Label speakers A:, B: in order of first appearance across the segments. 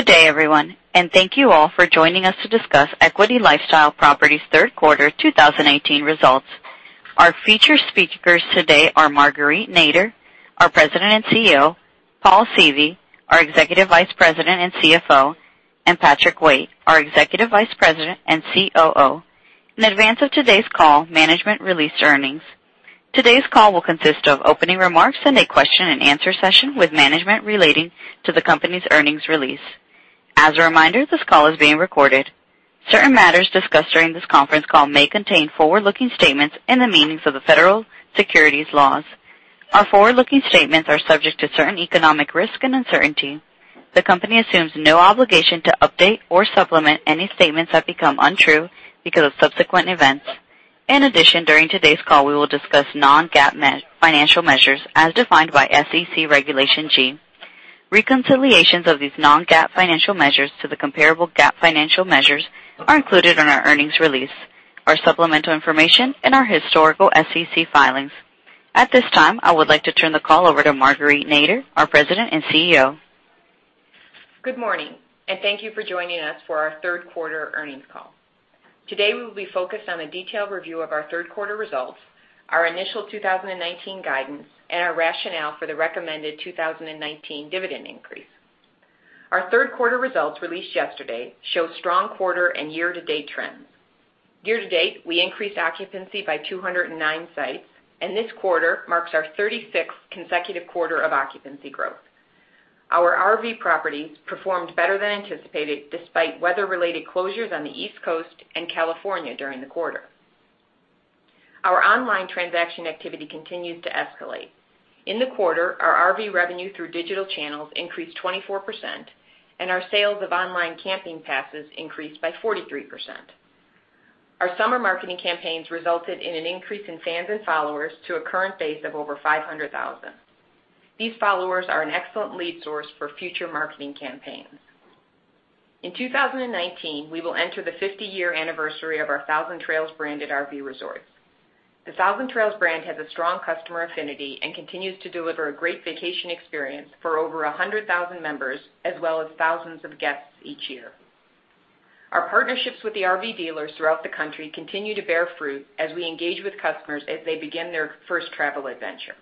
A: Good day, everyone, and thank you all for joining us to discuss Equity LifeStyle Properties' third quarter 2018 results. Our featured speakers today are Marguerite Nader, our President and CEO, Paul Seavey, our Executive Vice President and CFO, and Patrick Waite, our Executive Vice President and COO. In advance of today's call, management released earnings. Today's call will consist of opening remarks and a question and answer session with management relating to the company's earnings release. As a reminder, this call is being recorded. Certain matters discussed during this conference call may contain forward-looking statements in the meanings of the federal securities laws. Our forward-looking statements are subject to certain economic risk and uncertainty. The company assumes no obligation to update or supplement any statements that become untrue because of subsequent events. In addition, during today's call, we will discuss non-GAAP financial measures as defined by SEC Regulation G. Reconciliations of these non-GAAP financial measures to the comparable GAAP financial measures are included in our earnings release, our supplemental information, and our historical SEC filings. At this time, I would like to turn the call over to Marguerite Nader, our President and CEO.
B: Good morning. Thank you for joining us for our third quarter earnings call. Today, we will be focused on a detailed review of our third quarter results, our initial 2019 guidance, and our rationale for the recommended 2019 dividend increase. Our third quarter results, released yesterday, show strong quarter and year-to-date trends. Year-to-date, we increased occupancy by 209 sites, and this quarter marks our 36th consecutive quarter of occupancy growth. Our RV properties performed better than anticipated, despite weather-related closures on the East Coast and California during the quarter. Our online transaction activity continues to escalate. In the quarter, our RV revenue through digital channels increased 24%, and our sales of online camping passes increased by 43%. Our summer marketing campaigns resulted in an increase in fans and followers to a current base of over 500,000. These followers are an excellent lead source for future marketing campaigns. In 2019, we will enter the 50-year anniversary of our Thousand Trails-branded RV resorts. The Thousand Trails brand has a strong customer affinity and continues to deliver a great vacation experience for over 100,000 members, as well as thousands of guests each year. Our partnerships with the RV dealers throughout the country continue to bear fruit as we engage with customers as they begin their first travel adventure.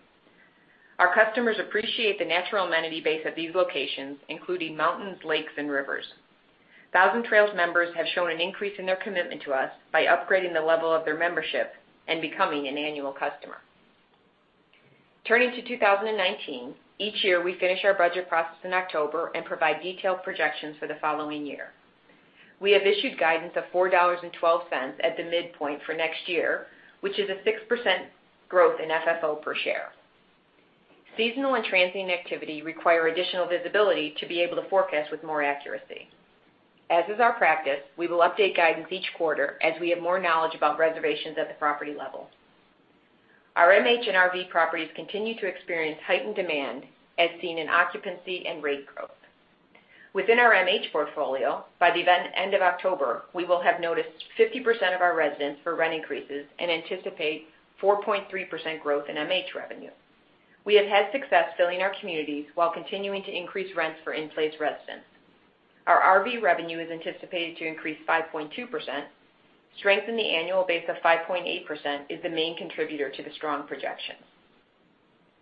B: Our customers appreciate the natural amenity base of these locations, including mountains, lakes, and rivers. Thousand Trails members have shown an increase in their commitment to us by upgrading the level of their membership and becoming an annual customer. Turning to 2019, each year, we finish our budget process in October and provide detailed projections for the following year. We have issued guidance of $4.12 at the midpoint for next year, which is a 6% growth in FFO per share. Seasonal and transient activity require additional visibility to be able to forecast with more accuracy. As is our practice, we will update guidance each quarter as we have more knowledge about reservations at the property level. Our MH and RV properties continue to experience heightened demand, as seen in occupancy and rate growth. Within our MH portfolio, by the end of October, we will have noticed 50% of our residents for rent increases and anticipate 4.3% growth in MH revenue. We have had success filling our communities while continuing to increase rents for in-place residents. Our RV revenue is anticipated to increase 5.2%. Strength in the annual base of 5.8% is the main contributor to the strong projections.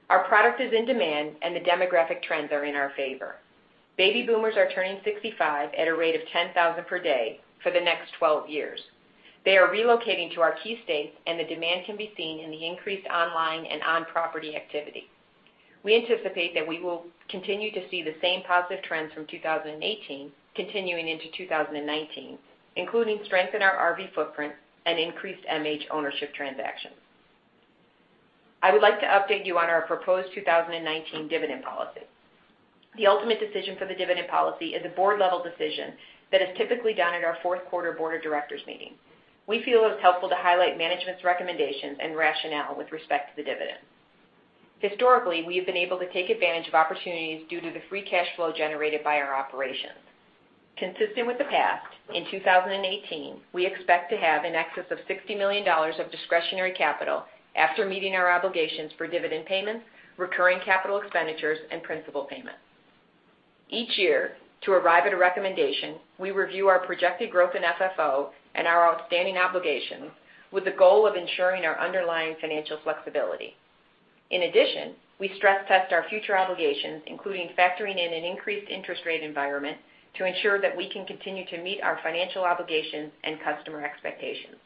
B: Our product is in demand, and the demographic trends are in our favor. Baby boomers are turning 65 at a rate of 10,000 per day for the next 12 years. The demand can be seen in the increased online and on-property activity. We anticipate that we will continue to see the same positive trends from 2018 continuing into 2019, including strength in our RV footprint and increased MH ownership transactions. I would like to update you on our proposed 2019 dividend policy. The ultimate decision for the dividend policy is a board-level decision that is typically done at our fourth quarter board of directors meeting. We feel it's helpful to highlight management's recommendations and rationale with respect to the dividend. Historically, we have been able to take advantage of opportunities due to the free cash flow generated by our operations. Consistent with the past, in 2018, we expect to have in excess of $60 million of discretionary capital after meeting our obligations for dividend payments, recurring capital expenditures, and principal payments. Each year, to arrive at a recommendation, we review our projected growth in FFO and our outstanding obligations with the goal of ensuring our underlying financial flexibility. In addition, we stress test our future obligations, including factoring in an increased interest rate environment, to ensure that we can continue to meet our financial obligations and customer expectations.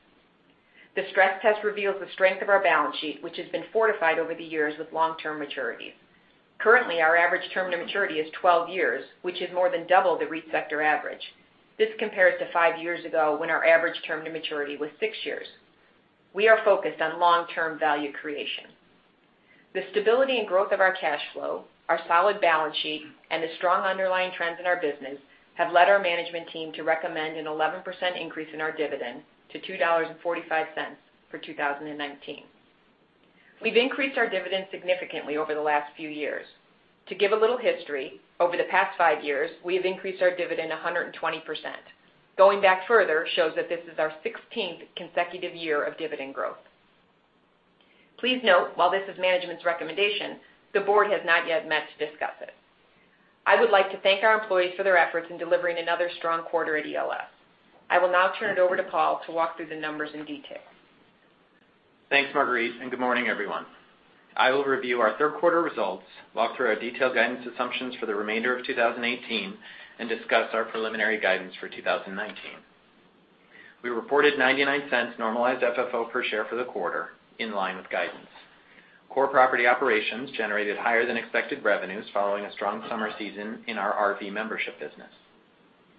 B: The stress test reveals the strength of our balance sheet, which has been fortified over the years with long-term maturities. Currently, our average term to maturity is 12 years, which is more than double the REIT sector average. This compares to five years ago when our average term to maturity was six years. We are focused on long-term value creation. The stability and growth of our cash flow, our solid balance sheet, and the strong underlying trends in our business have led our management team to recommend an 11% increase in our dividend to $2.45 for 2019. We've increased our dividend significantly over the last few years. To give a little history, over the past five years, we have increased our dividend 120%. Going back further shows that this is our 16th consecutive year of dividend growth. Please note, while this is management's recommendation, the board has not yet met to discuss it. I would like to thank our employees for their efforts in delivering another strong quarter at ELS. I will now turn it over to Paul to walk through the numbers in detail.
C: Thanks, Marguerite, good morning, everyone. I will review our third quarter results, walk through our detailed guidance assumptions for the remainder of 2018, and discuss our preliminary guidance for 2019. We reported $0.99 normalized FFO per share for the quarter, in line with guidance. Core property operations generated higher than expected revenues following a strong summer season in our RV membership business.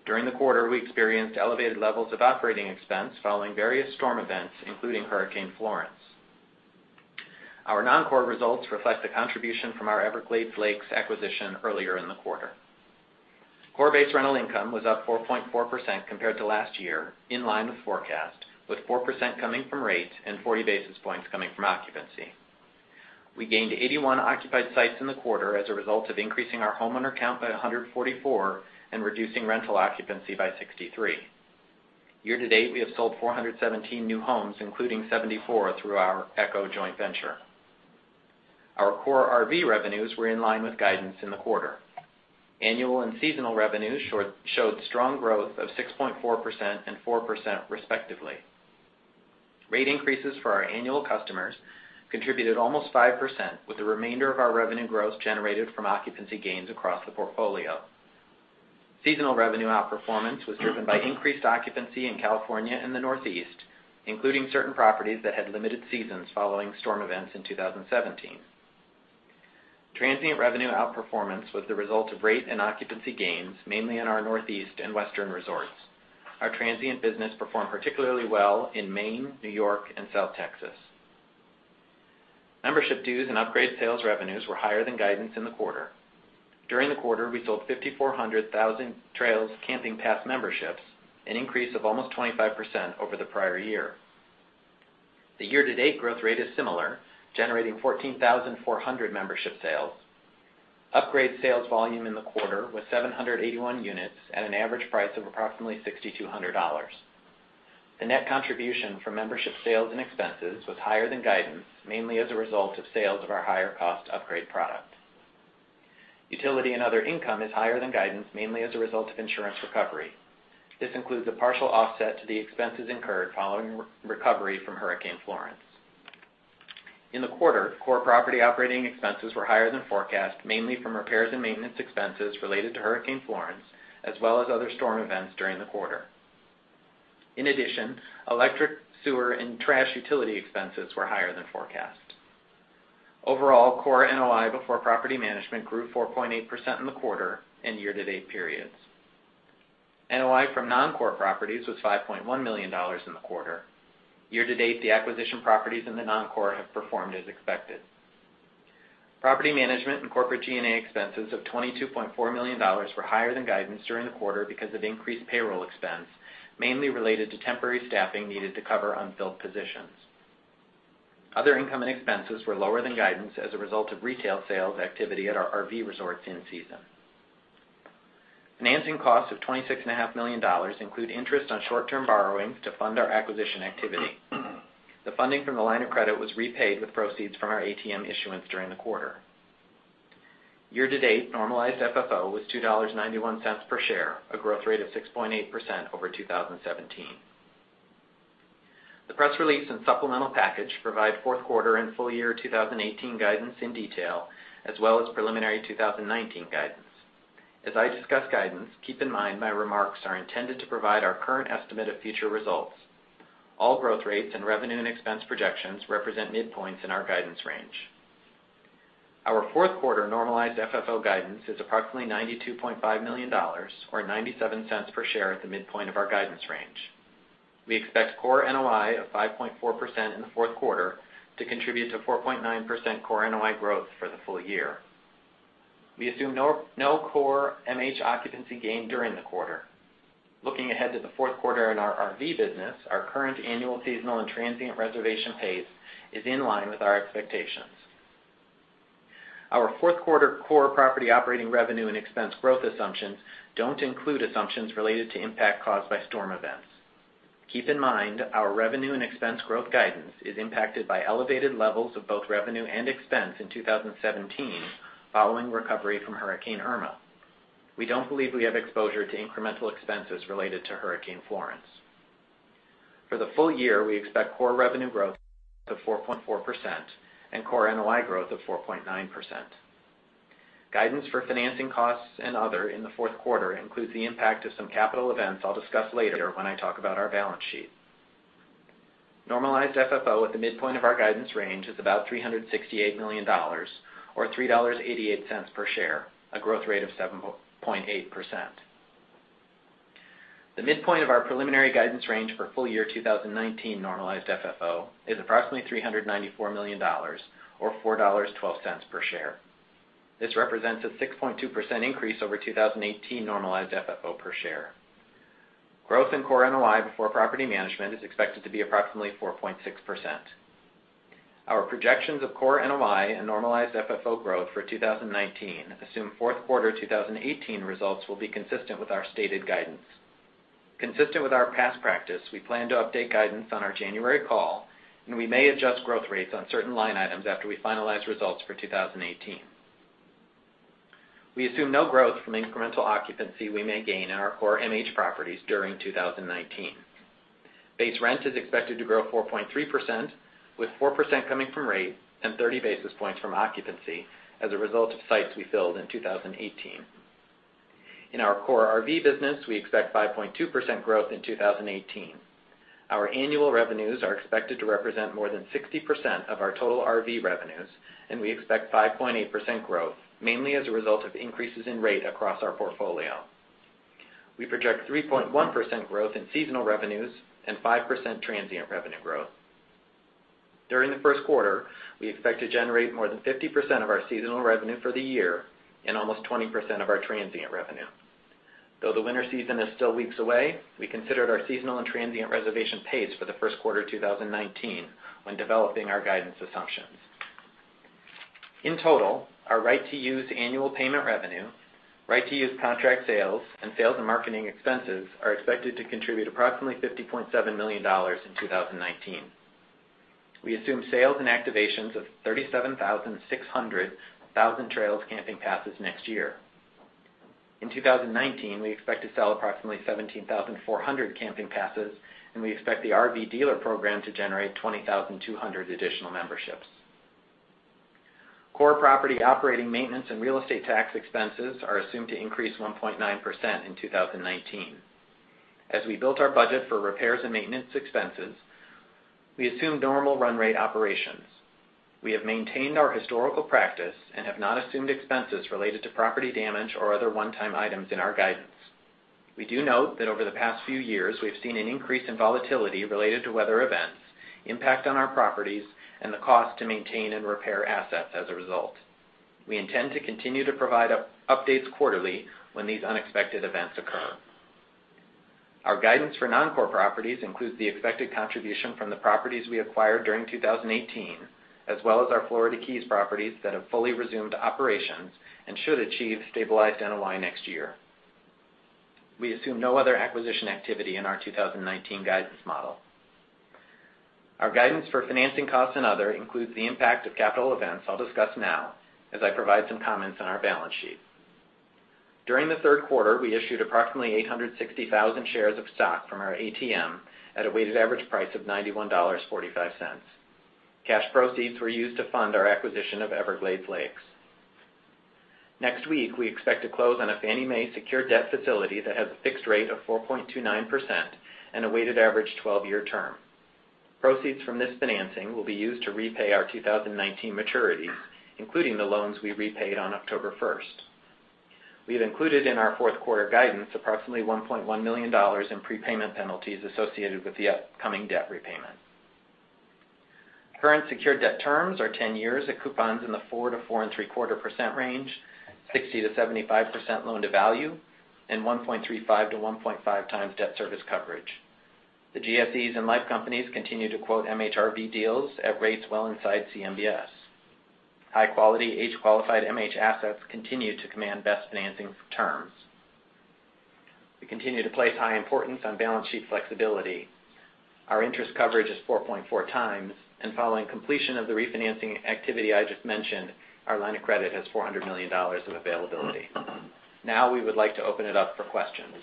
C: During the quarter, we experienced elevated levels of operating expense following various storm events, including Hurricane Florence. Our non-core results reflect the contribution from our Everglades Lakes acquisition earlier in the quarter. Core base rental income was up 4.4% compared to last year, in line with forecast, with 4% coming from rates and 40 basis points coming from occupancy. We gained 81 occupied sites in the quarter as a result of increasing our homeowner count by 144 and reducing rental occupancy by 63. Year-to-date, we have sold 417 new homes, including 74 through our Eco joint venture. Our core RV revenues were in line with guidance in the quarter. Annual and seasonal revenues showed strong growth of 6.4% and 4% respectively. Rate increases for our annual customers contributed almost 5%, with the remainder of our revenue growth generated from occupancy gains across the portfolio. Seasonal revenue outperformance was driven by increased occupancy in California and the Northeast, including certain properties that had limited seasons following storm events in 2017. Transient revenue outperformance was the result of rate and occupancy gains, mainly in our Northeast and Western resorts. Our transient business performed particularly well in Maine, New York, and South Texas. Membership dues and upgrade sales revenues were higher than guidance in the quarter. During the quarter, we sold 5,400 Thousand Trails camping pass memberships, an increase of almost 25% over the prior year. The year-to-date growth rate is similar, generating 14,400 membership sales. Upgrade sales volume in the quarter was 781 units at an average price of approximately $6,200. The net contribution for membership sales and expenses was higher than guidance, mainly as a result of sales of our higher-cost upgrade product. Utility and other income is higher than guidance mainly as a result of insurance recovery. This includes a partial offset to the expenses incurred following recovery from Hurricane Florence. In the quarter, core property operating expenses were higher than forecast, mainly from repairs and maintenance expenses related to Hurricane Florence, as well as other storm events during the quarter. In addition, electric, sewer, and trash utility expenses were higher than forecast. Overall, core NOI before property management grew 4.8% in the quarter and year-to-date periods. NOI from non-core properties was $5.1 million in the quarter. Year-to-date, the acquisition properties in the non-core have performed as expected. Property management and corporate G&A expenses of $22.4 million were higher than guidance during the quarter because of increased payroll expense, mainly related to temporary staffing needed to cover unfilled positions. Other income and expenses were lower than guidance as a result of retail sales activity at our RV resorts in season. Financing costs of $26.5 million include interest on short-term borrowings to fund our acquisition activity. The funding from the line of credit was repaid with proceeds from our ATM issuance during the quarter. Year-to-date, normalized FFO was $2.91 per share, a growth rate of 6.8% over 2017. The press release and supplemental package provide fourth quarter and full year 2018 guidance in detail, as well as preliminary 2019 guidance. As I discuss guidance, keep in mind my remarks are intended to provide our current estimate of future results. All growth rates and revenue and expense projections represent midpoints in our guidance range. Our fourth quarter normalized FFO guidance is approximately $92.5 million, or $0.97 per share at the midpoint of our guidance range. We expect core NOI of 5.4% in the fourth quarter to contribute to 4.9% core NOI growth for the full year. We assume no core MH occupancy gain during the quarter. Looking ahead to the fourth quarter in our RV business, our current annual, seasonal, and transient reservation pace is in line with our expectations. Our fourth quarter core property operating revenue and expense growth assumptions don't include assumptions related to impact caused by storm events. Keep in mind our revenue and expense growth guidance is impacted by elevated levels of both revenue and expense in 2017 following recovery from Hurricane Irma. We don't believe we have exposure to incremental expenses related to Hurricane Florence. For the full year, we expect core revenue growth of 4.4% and core NOI growth of 4.9%. Guidance for financing costs and other in the fourth quarter includes the impact of some capital events I'll discuss later when I talk about our balance sheet. Normalized FFO at the midpoint of our guidance range is about $368 million, or $3.88 per share, a growth rate of 7.8%. The midpoint of our preliminary guidance range for full year 2019 normalized FFO is approximately $394 million, or $4.12 per share. This represents a 6.2% increase over 2018 normalized FFO per share. Growth in core NOI before property management is expected to be approximately 4.6%. Our projections of core NOI and normalized FFO growth for 2019 assume fourth quarter 2018 results will be consistent with our stated guidance. Consistent with our past practice, we plan to update guidance on our January call, and we may adjust growth rates on certain line items after we finalize results for 2018. We assume no growth from incremental occupancy we may gain in our core MH properties during 2019. Base rent is expected to grow 4.3%, with 4% coming from rate and 30 basis points from occupancy as a result of sites we filled in 2018. In our core RV business, we expect 5.2% growth in 2018. Our annual revenues are expected to represent more than 60% of our total RV revenues, and we expect 5.8% growth, mainly as a result of increases in rate across our portfolio. We project 3.1% growth in seasonal revenues and 5% transient revenue growth. During the first quarter, we expect to generate more than 50% of our seasonal revenue for the year and almost 20% of our transient revenue. Though the winter season is still weeks away, we considered our seasonal and transient reservation pace for the first quarter 2019 when developing our guidance assumptions. In total, our right-to-use annual payment revenue, right-to-use contract sales, and sales and marketing expenses are expected to contribute approximately $50.7 million in 2019. We assume sales and activations of 37,600 Thousand Trails camping passes next year. In 2019, we expect to sell approximately 17,400 camping passes, and we expect the RV dealer program to generate 20,200 additional memberships. Core property operating maintenance and real estate tax expenses are assumed to increase 1.9% in 2019. As we built our budget for repairs and maintenance expenses, we assumed normal run rate operations. We have maintained our historical practice and have not assumed expenses related to property damage or other one-time items in our guidance. We do note that over the past few years, we've seen an increase in volatility related to weather events, impact on our properties, and the cost to maintain and repair assets as a result. We intend to continue to provide updates quarterly when these unexpected events occur. Our guidance for non-core properties includes the expected contribution from the properties we acquired during 2018, as well as our Florida Keys properties that have fully resumed operations and should achieve stabilized NOI next year. We assume no other acquisition activity in our 2019 guidance model. Our guidance for financing costs and other includes the impact of capital events I'll discuss now as I provide some comments on our balance sheet. During the third quarter, we issued approximately 860,000 shares of stock from our ATM at a weighted average price of $91.45. Cash proceeds were used to fund our acquisition of Everglades Lakes. Next week, we expect to close on a Fannie Mae secured debt facility that has a fixed rate of 4.29% and a weighted average 12-year term. Proceeds from this financing will be used to repay our 2019 maturities, including the loans we repaid on October 1st. We have included in our fourth quarter guidance approximately $1.1 million in prepayment penalties associated with the upcoming debt repayment. Current secured debt terms are 10 years at coupons in the 4%-4.75% range, 60%-75% loan-to-value, and 1.35 to 1.5 times debt service coverage. The GSEs and life companies continue to quote MHRV deals at rates well inside CMBS. High-quality, age-qualified MH assets continue to command best financing terms. We continue to place high importance on balance sheet flexibility. Our interest coverage is 4.4 times, and following completion of the refinancing activity I just mentioned, our line of credit has $400 million in availability. We would like to open it up for questions.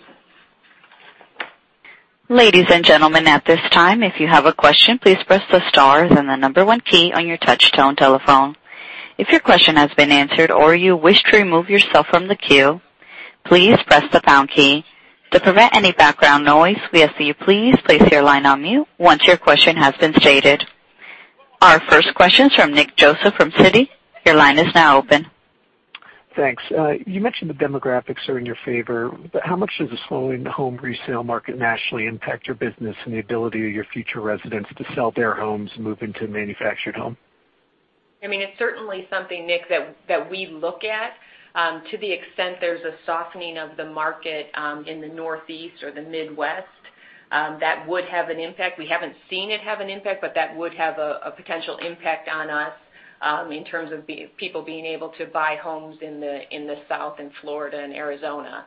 A: Ladies and gentlemen, at this time, if you have a question, please press the star then the 1 key on your touchtone telephone. If your question has been answered or you wish to remove yourself from the queue, please press the pound key. To prevent any background noise, we ask that you please place your line on mute once your question has been stated. Our first question is from Nick Joseph from Citi. Your line is now open.
D: Thanks. You mentioned the demographics are in your favor, how much does the slowing home resale market nationally impact your business and the ability of your future residents to sell their homes and move into a manufactured home?
B: It's certainly something, Nick, that we look at. To the extent there's a softening of the market in the Northeast or the Midwest, that would have an impact. We haven't seen it have an impact, That would have a potential impact on us in terms of people being able to buy homes in the South, in Florida, Arizona.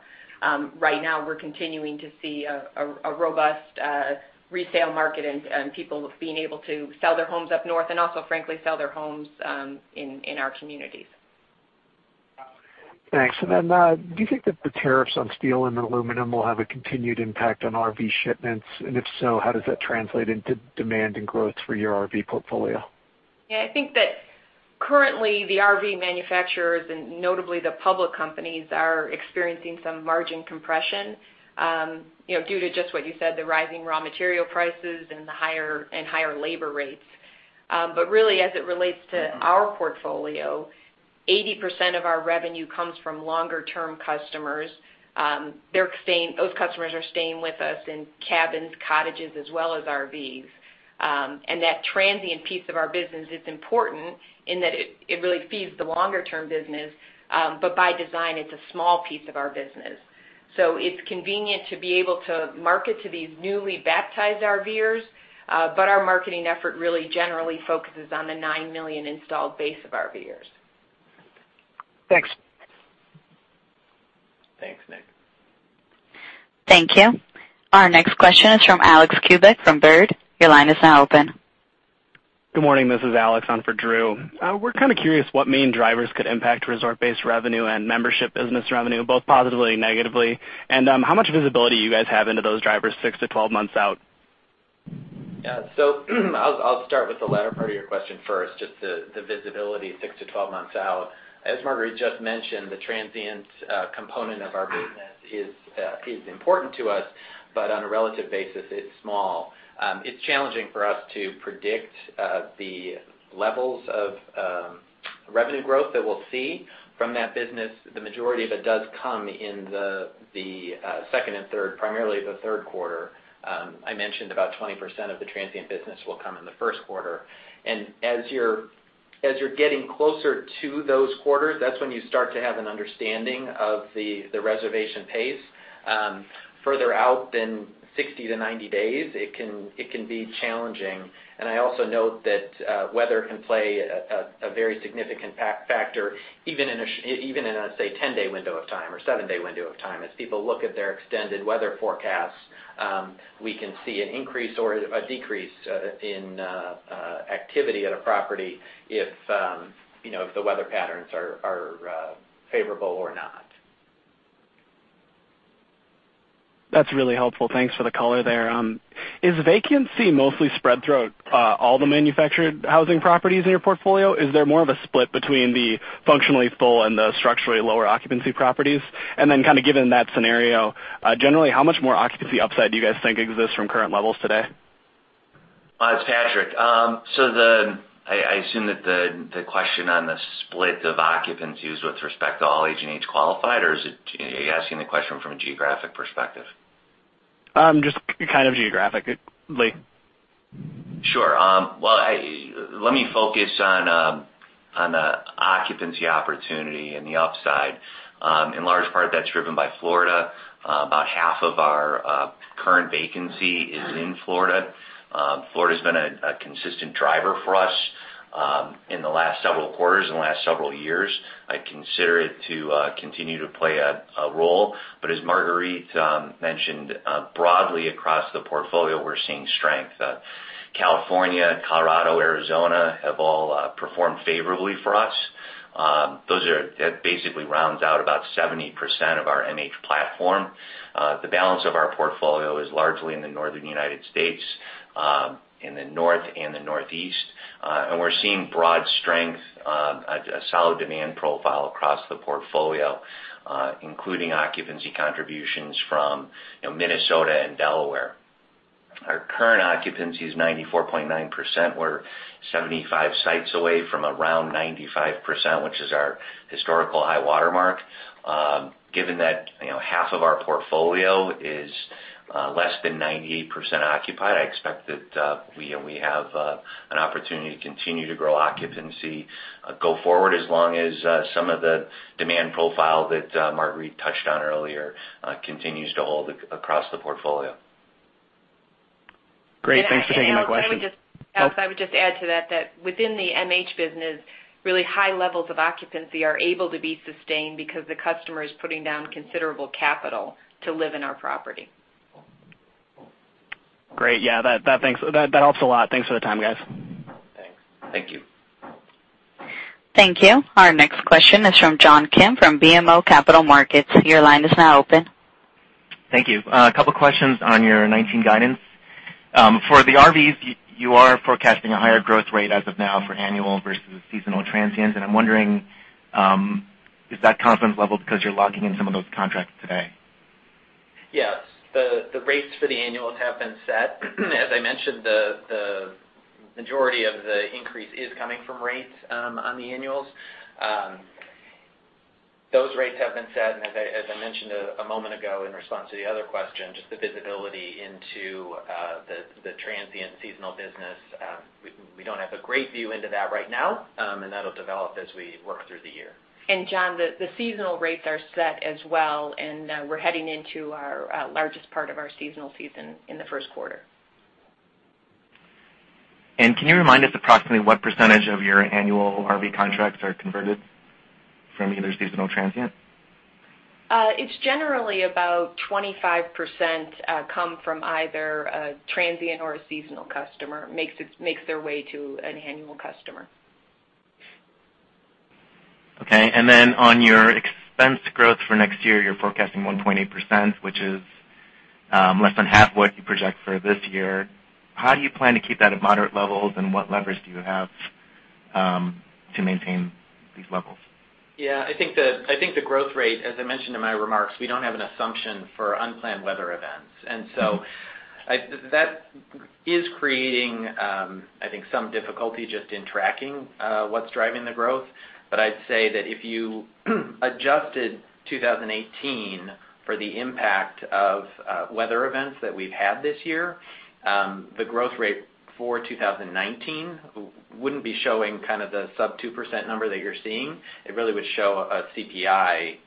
B: Right now, we're continuing to see a robust resale market People being able to sell their homes up north and also, frankly, sell their homes in our communities.
D: Thanks. Do you think that the tariffs on steel and aluminum will have a continued impact on RV shipments? If so, how does that translate into demand and growth for your RV portfolio?
B: I think that currently the RV manufacturers, Notably the public companies, are experiencing some margin compression due to just what you said, the rising raw material prices and higher labor rates. Really, as it relates to our portfolio, 80% of our revenue comes from longer-term customers. Those customers are staying with us in cabins, cottages, as well as RVs. That transient piece of our business is important in that it really feeds the longer-term business, By design, it's a small piece of our business. It's convenient to be able to market to these newly baptized RVers, Our marketing effort really generally focuses on the 9 million installed base of RVers.
D: Thanks.
C: Thanks, Nick.
A: Thank you. Our next question is from Alexander Kubicek from Baird. Your line is now open.
E: Good morning. This is Alex on for Drew. We're kind of curious what main drivers could impact resort-based revenue and membership business revenue, both positively and negatively. How much visibility you guys have into those drivers six to 12 months out?
C: Yeah. I'll start with the latter part of your question first, just the visibility six to 12 months out. As Marguerite just mentioned, the transient component of our business is important to us, but on a relative basis, it's small. It's challenging for us to predict the levels of revenue growth that we'll see from that business. The majority of it does come in the second and third, primarily the third quarter. I mentioned about 20% of the transient business will come in the first quarter. As you're getting closer to those quarters, that's when you start to have an understanding of the reservation pace. Further out than 60 to 90 days, it can be challenging. I also note that weather can play a very significant factor, even in a, say, 10-day window of time or seven-day window of time. As people look at their extended weather forecast, we can see an increase or a decrease in activity at a property if the weather patterns are favorable or not.
E: That's really helpful. Thanks for the color there. Is vacancy mostly spread throughout all the manufactured housing properties in your portfolio? Is there more of a split between the functionally full and the structurally lower occupancy properties? Then kind of given that scenario, generally, how much more occupancy upside do you guys think exists from current levels today?
F: It's Patrick. I assume that the question on the split of occupancy is with respect to all age and age qualified, or are you asking the question from a geographic perspective?
E: Just kind of geographically.
F: Sure. Well, let me focus on the occupancy opportunity and the upside. In large part, that's driven by Florida. About half of our current vacancy is in Florida. Florida's been a consistent driver for us in the last several quarters, in the last several years. I consider it to continue to play a role. As Marguerite mentioned, broadly across the portfolio, we're seeing strength. California, Colorado, Arizona have all performed favorably for us. That basically rounds out about 70% of our MH platform. The balance of our portfolio is largely in the Northern U.S., in the North and the Northeast. We're seeing broad strength, a solid demand profile across the portfolio, including occupancy contributions from Minnesota and Delaware. Our current occupancy is 94.9%. We're 75 sites away from around 95%, which is our historical high watermark. Given that half of our portfolio is less than 98% occupied, I expect that we have an opportunity to continue to grow occupancy go forward as long as some of the demand profile that Marguerite touched on earlier continues to hold across the portfolio.
E: Great. Thanks for taking my question.
B: Alex, I would just add to that within the MH business, really high levels of occupancy are able to be sustained because the customer is putting down considerable capital to live in our property.
E: Great. Yeah. Thanks. That helps a lot. Thanks for the time, guys.
C: Thanks.
F: Thank you.
A: Thank you. Our next question is from John Kim from BMO Capital Markets. Your line is now open.
G: Thank you. A couple questions on your 2019 guidance. For the RVs, you are forecasting a higher growth rate as of now for annual versus seasonal transient. I'm wondering, is that confidence level because you're locking in some of those contracts today?
C: Yes. The rates for the annuals have been set. As I mentioned, the majority of the increase is coming from rates on the annuals. Those rates have been set. As I mentioned a moment ago in response to the other question, just the visibility into the transient seasonal business, we don't have a great view into that right now, and that'll develop as we work through the year.
B: John, the seasonal rates are set as well, and we're heading into our largest part of our seasonal season in the first quarter.
G: Can you remind us approximately what % of your annual RV contracts are converted from either seasonal or transient?
B: It's generally about 25% come from either a transient or a seasonal customer, makes their way to an annual customer.
G: Okay. On your expense growth for next year, you're forecasting 1.8%, which is less than half what you project for this year. How do you plan to keep that at moderate levels, and what leverage do you have to maintain these levels?
C: Yeah, I think the growth rate, as I mentioned in my remarks, we don't have an assumption for unplanned weather events. That is creating I think some difficulty just in tracking what's driving the growth. I'd say that if you adjusted 2018 for the impact of weather events that we've had this year, the growth rate for 2019 wouldn't be showing kind of the sub 2% number that you're seeing. It really would show a CPI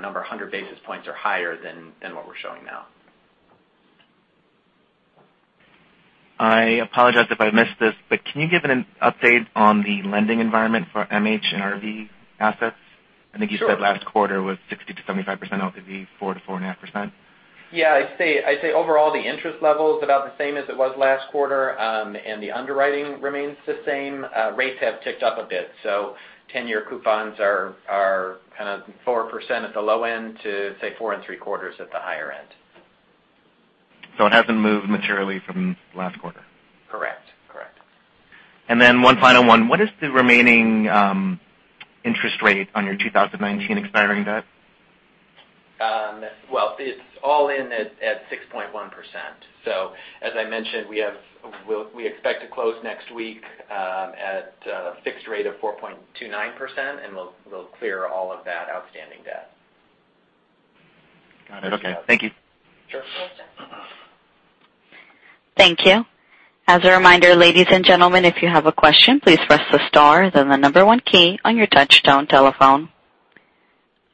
C: number 100 basis points or higher than what we're showing now.
G: I apologize if I missed this, can you give an update on the lending environment for MH and RV assets?
C: Sure.
G: I think you said last quarter it was 60%-75% LTV, 4%-4.5%.
C: Yeah. I'd say overall, the interest level's about the same as it was last quarter. The underwriting remains the same. Rates have ticked up a bit. 10-year coupons are kind of 4% at the low end to, say, 4.75% at the higher end.
G: It hasn't moved materially from last quarter.
C: Correct.
G: One final one. What is the remaining interest rate on your 2019 expiring debt?
C: Well, it's all in at 6.1%. As I mentioned, we expect to close next week at a fixed rate of 4.29%, and we'll clear all of that outstanding debt.
G: Got it. Okay. Thank you.
C: Sure.
A: Thank you. As a reminder, ladies and gentlemen, if you have a question, please press the star, then the number one key on your touchtone telephone.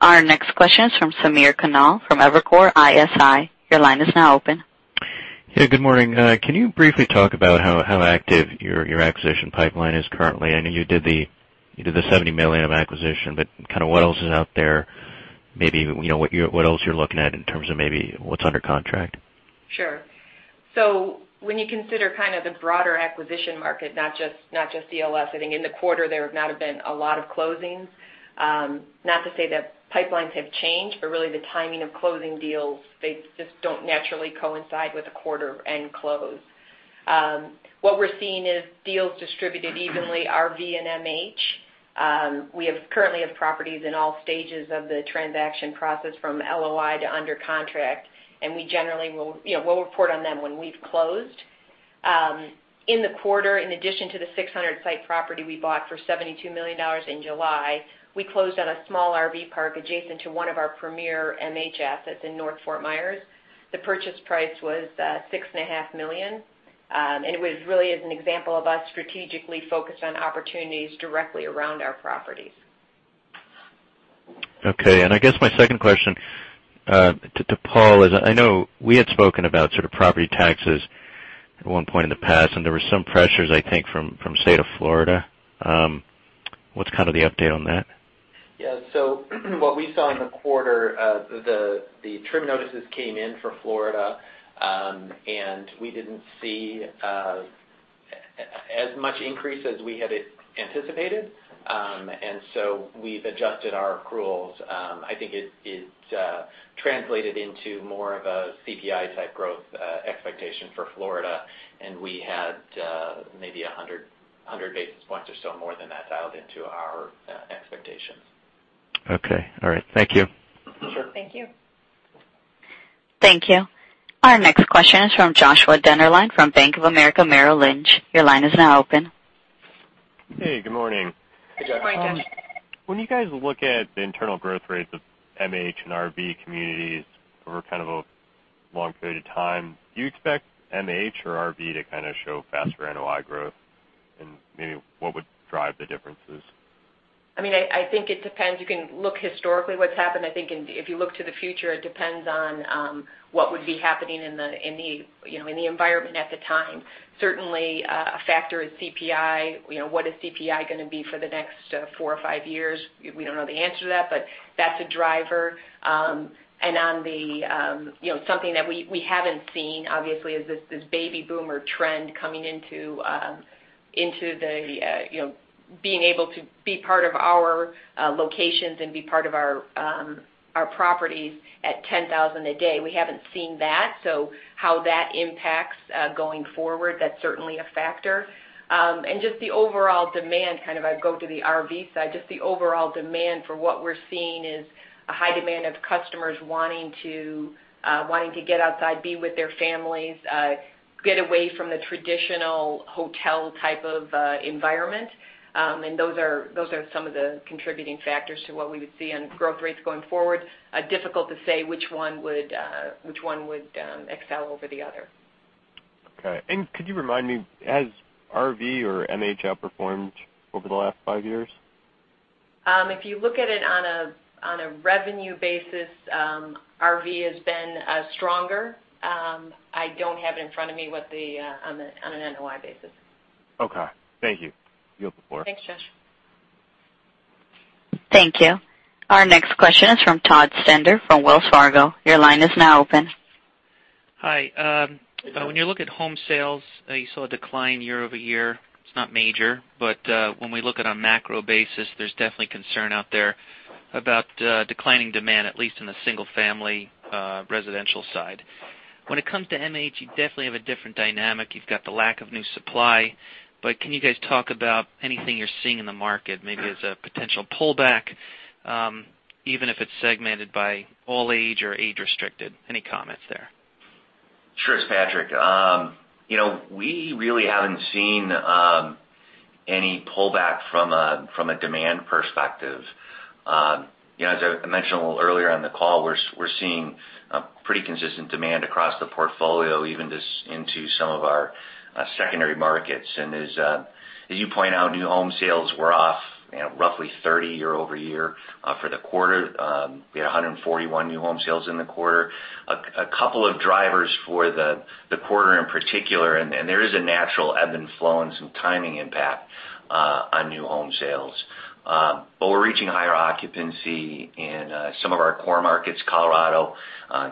A: Our next question is from Samir Khanal from Evercore ISI. Your line is now open.
H: Hey, good morning. Can you briefly talk about how active your acquisition pipeline is currently? I know you did the $70 million of acquisition. What else is out there? Maybe what else you're looking at in terms of maybe what's under contract.
C: Sure. When you consider kind of the broader acquisition market, not just ELS, I think in the quarter there have not been a lot of closings. Not to say that pipelines have changed, but really the timing of closing deals, they just don't naturally coincide with a quarter and close. What we're seeing is deals distributed evenly, RV and MH. We currently have properties in all stages of the transaction process, from LOI to under contract, and we generally will report on them when we've closed. In the quarter, in addition to the 600-site property we bought for $72 million in July, we closed on a small RV park adjacent to one of our premier MH assets in North Fort Myers. The purchase price was $6.5 million. It was really as an example of us strategically focused on opportunities directly around our properties.
H: Okay, I guess my second question to Paul is, I know we had spoken about sort of property taxes at one point in the past, and there were some pressures, I think, from the state of Florida. What's kind of the update on that?
C: Yeah. What we saw in the quarter, the TRIM notices came in for Florida, and we didn't see as much increase as we had anticipated, and so we've adjusted our accruals. I think it translated into more of a CPI-type growth expectation for Florida, and we had maybe 100 basis points or so more than that dialed into our expectations.
H: Okay. All right. Thank you.
C: Sure.
A: Thank you. Our next question is from Joshua Dennerlein from Bank of America Merrill Lynch. Your line is now open.
I: Hey, good morning.
C: Good morning, Josh.
I: When you guys look at the internal growth rates of MH and RV communities over kind of a long period of time, do you expect MH or RV to kind of show faster NOI growth? Maybe what would drive the differences?
C: I think it depends. You can look historically what's happened. I think if you look to the future, it depends on what would be happening in the environment at the time. Certainly, a factor is CPI. What is CPI going to be for the next four or five years? We don't know the answer to that, but that's a driver. Something that we haven't seen, obviously, is this baby boomer trend coming into being able to be part of our locations and be part of our properties at 10,000 a day. We haven't seen that. How that impacts going forward, that's certainly a factor. Just the overall demand, kind of I go to the RV side, just the overall demand for what we're seeing is a high demand of customers wanting to get outside, be with their families, get away from the traditional hotel type of environment. Those are some of the contributing factors to what we would see on growth rates going forward. Difficult to say which one would excel over the other.
I: Okay. Could you remind me, has RV or MH outperformed over the last five years?
C: If you look at it on a revenue basis, RV has been stronger. I don't have it in front of me on an NOI basis.
I: Okay. Thank you. You have the floor.
C: Thanks, Josh.
A: Thank you. Our next question is from Todd Stender from Wells Fargo. Your line is now open.
J: Hi. When you look at home sales, you saw a decline year-over-year. It's not major, but when we look at a macro basis, there's definitely concern out there about declining demand, at least in the single-family residential side. When it comes to MH, you definitely have a different dynamic. You've got the lack of new supply, can you guys talk about anything you're seeing in the market, maybe as a potential pullback, even if it's segmented by all age or age restricted? Any comments there?
F: Sure, Patrick. We really haven't seen any pullback from a demand perspective. As I mentioned a little earlier on the call, we're seeing a pretty consistent demand across the portfolio, even into some of our secondary markets. As you point out, new home sales were off roughly 30 year-over-year. For the quarter, we had 141 new home sales in the quarter. A couple of drivers for the quarter in particular, and there is a natural ebb and flow and some timing impact on new home sales. We're reaching higher occupancy in some of our core markets. Colorado,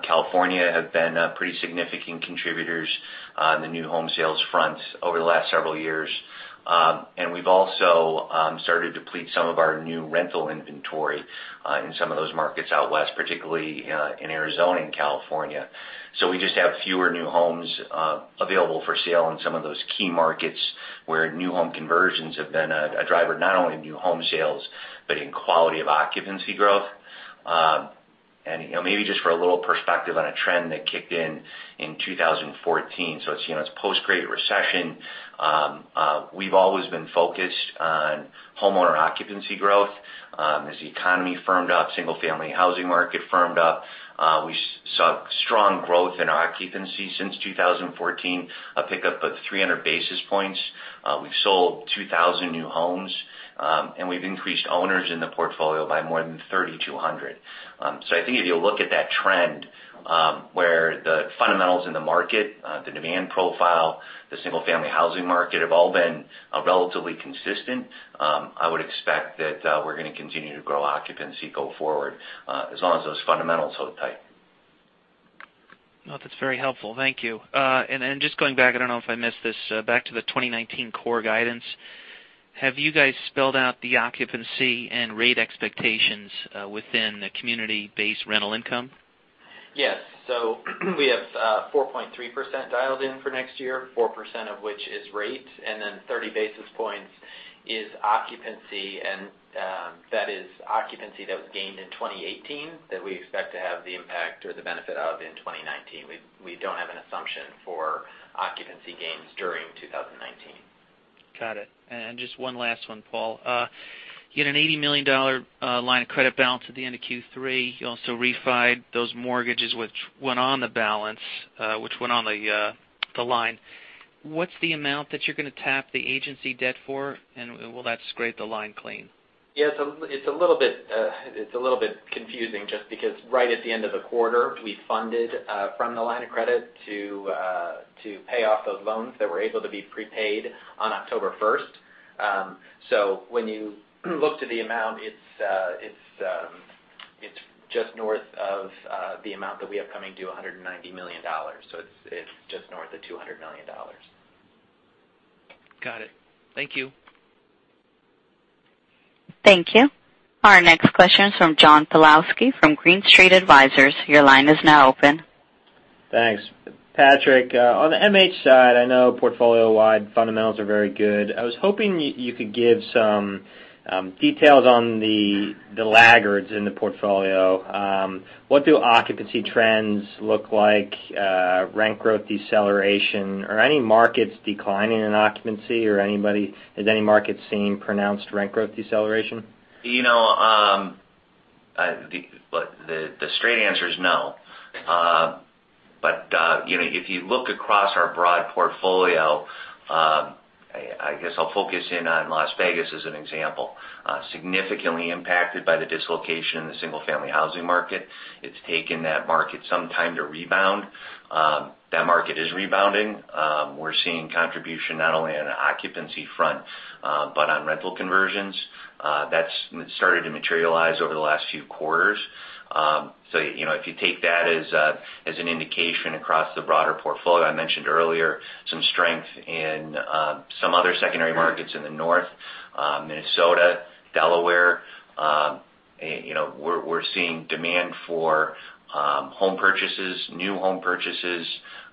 F: California have been pretty significant contributors on the new home sales front over the last several years. We've also started to deplete some of our new rental inventory in some of those markets out west, particularly in Arizona and California. We just have fewer new homes available for sale in some of those key markets where new home conversions have been a driver, not only in new home sales, but in quality of occupancy growth. Maybe just for a little perspective on a trend that kicked in in 2014, so it's post-Great Recession. We've always been focused on homeowner occupancy growth. As the economy firmed up, single-family housing market firmed up. We saw strong growth in occupancy since 2014, a pickup of 300 basis points. We've sold 2,000 new homes, and we've increased owners in the portfolio by more than 3,200. I think if you look at that trend, where the fundamentals in the market, the demand profile, the single-family housing market have all been relatively consistent, I would expect that we're going to continue to grow occupancy go forward, as long as those fundamentals hold tight.
J: No, that's very helpful. Thank you. Just going back, I don't know if I missed this. Back to the 2019 core guidance. Have you guys spelled out the occupancy and rate expectations within the community-based rental income?
C: Yes. We have 4.3% dialed in for next year, 4% of which is rate, and then 30 basis points is occupancy, and that is occupancy that was gained in 2018 that we expect to have the impact or the benefit of in 2019. We don't have an assumption for occupancy gains during 2019.
J: Got it. Just one last one, Paul. You had an $80 million line of credit balance at the end of Q3. You also refied those mortgages which went on the balance, which went on the line. What's the amount that you're going to tap the agency debt for, and will that scrape the line clean?
C: Yeah, it's a little bit confusing just because right at the end of the quarter, we funded from the line of credit to pay off those loans that were able to be prepaid on October 1st. When you look to the amount, it's just north of the amount that we have coming due, $190 million. It's just north of $200 million.
J: Got it. Thank you.
A: Thank you. Our next question is from John Pawlowski from Green Street Advisors. Your line is now open.
K: Thanks. Patrick, on the MH side, I know portfolio-wide fundamentals are very good. I was hoping you could give some details on the laggards in the portfolio. What do occupancy trends look like? Rent growth deceleration? Are any markets declining in occupancy, or has any market seen pronounced rent growth deceleration?
F: The straight answer is no. If you look across our broad portfolio, I guess I'll focus in on Las Vegas as an example. Significantly impacted by the dislocation in the single-family housing market. It's taken that market some time to rebound. That market is rebounding. We're seeing contribution not only on an occupancy front, but on rental conversions. That's started to materialize over the last few quarters. If you take that as an indication across the broader portfolio, I mentioned earlier, some strength in some other secondary markets in the north, Minnesota, Delaware. We're seeing demand for home purchases, new home purchases.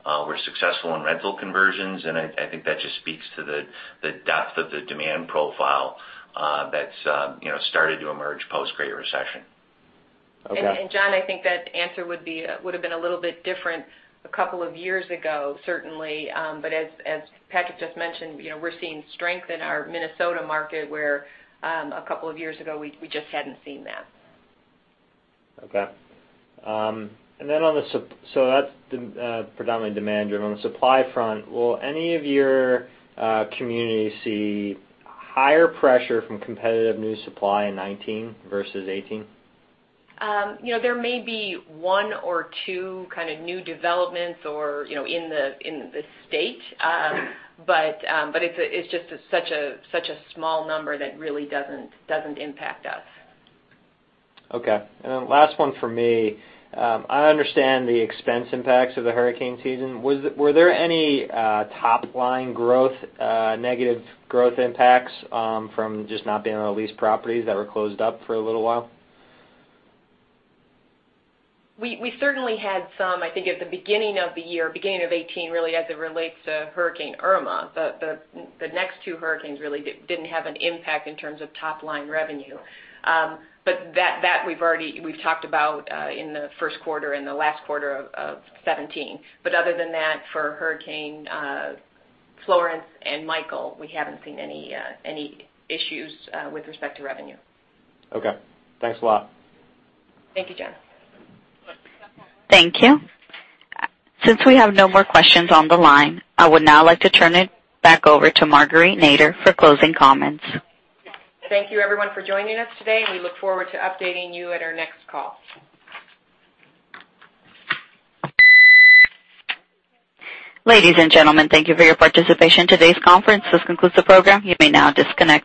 F: We're successful in rental conversions, and I think that just speaks to the depth of the demand profile that's started to emerge post-Great Recession.
K: Okay.
B: John, I think that answer would've been a little bit different a couple of years ago, certainly. As Patrick just mentioned, we're seeing strength in our Minnesota market where a couple of years ago, we just hadn't seen that.
K: Okay. That's predominantly demand-driven. On the supply front, will any of your communities see higher pressure from competitive new supply in 2019 versus 2018?
B: There may be one or two kind of new developments in the state. It's just such a small number that really doesn't impact us.
K: Okay. Last one from me. I understand the expense impacts of the hurricane season. Were there any top-line negative growth impacts from just not being able to lease properties that were closed up for a little while?
B: We certainly had some, I think, at the beginning of the year, beginning of 2018, really, as it relates to Hurricane Irma. The next two hurricanes really didn't have an impact in terms of top-line revenue. That, we've talked about in the first quarter and the last quarter of 2017. Other than that, for Hurricane Florence and Michael, we haven't seen any issues with respect to revenue.
K: Okay. Thanks a lot.
B: Thank you, John.
A: Thank you. Since we have no more questions on the line, I would now like to turn it back over to Marguerite Nader for closing comments.
B: Thank you, everyone, for joining us today. We look forward to updating you at our next call.
A: Ladies and gentlemen, thank you for your participation in today's conference. This concludes the program. You may now disconnect.